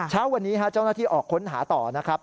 เช้าวันนี้เจ้าหน้าที่ออกค้นหาต่อนะครับ